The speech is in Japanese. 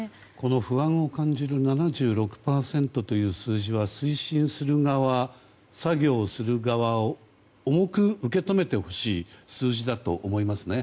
不安を感じる７６％という数字は推進する側作業をする側重く受け止めてほしい数字だと思いますね。